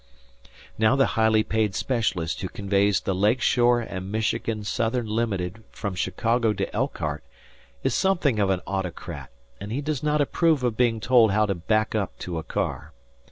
Now the highly paid specialist who conveys the Lake Shore and Michigan Southern Limited from Chicago to Elkhart is something of an autocrat, and he does not approve of being told how to back up to a car.